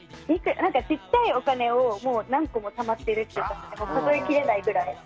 小さいお金が何個もたまってるっていうか数えきれないくらい。